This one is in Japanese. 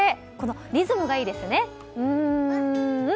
このリズムがいいですよね。